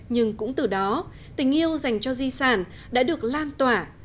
nhưng cũng từ đó tình yêu dành cho di sản đã được lan tỏa